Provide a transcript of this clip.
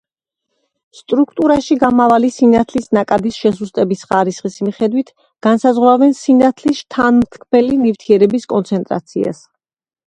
სტრუქტურაში გამავალი სინათლის ნაკადის შესუსტების ხარისხის მიხედვით განსაზღვრავენ სინათლის შთანმთქმელი ნივთიერების კონცენტრაციას.